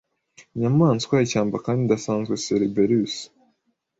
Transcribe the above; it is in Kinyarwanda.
Inyamaswa ishyamba kandi idasanzwe Cerberus